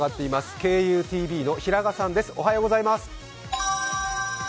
ＫＵＴＶの平賀さんです。